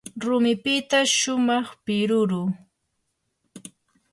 rumipita shumaq piruru.